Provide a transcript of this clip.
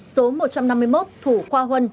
số một trăm năm mươi một thủ khoa huân